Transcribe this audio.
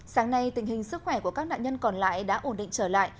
sáng nay tình hình sức khỏe của các nạn nhân còn lại đã ổn định trở lại